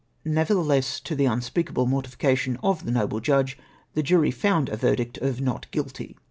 Nevertheless, to tlie unspeakable mortification of the noble judge, the jury found a verdict of Not Guilti